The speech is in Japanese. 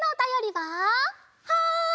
はい！